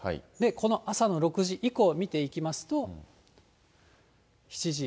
この朝の６時以降見ていきますと、７時、